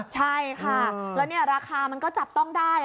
ใช่ค่ะแล้วราคามันก็จับต้องได้